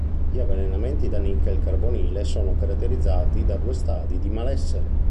Gli avvelenamenti da nichel carbonile sono caratterizzati da due stadi di malessere.